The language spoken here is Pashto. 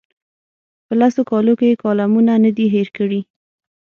په لسو کالو کې یې کالمونه نه دي هېر کړي.